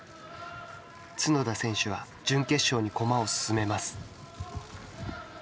角田選手は準決勝に駒を進めます。